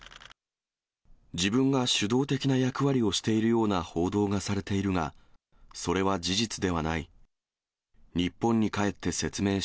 自分が主導的な役割をしているような報道がされているが、それは事実ではない。